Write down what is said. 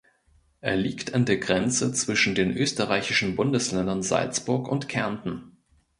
Er liegt an der Grenze zwischen den österreichischen Bundesländern Salzburg und Kärnten.